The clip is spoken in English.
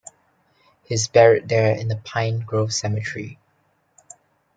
He is buried there in the Pine Grove Cemetery.